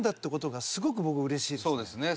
そうですね。